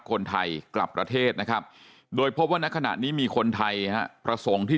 คนไทยกลับประเทศนะครับโดยพบว่าในขณะนี้มีคนไทยฮะประสงค์ที่